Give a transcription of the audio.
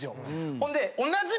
ほんで。